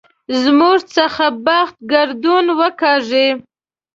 زموږ څخه بخت ګردون وکاږي.